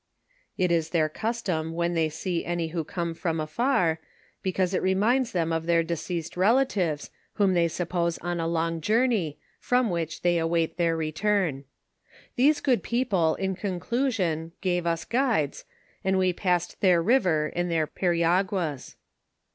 It is their custom when they see any who come from afar, because it reminds them of their deceased relatives whom they suppose on a long jour ney, from which they await their return. These good people, in conclusion, gave us guides, and we passed their river in their periaguas.